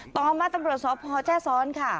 ต่อมาตำรวจสอบพแจ๊สรค่ะ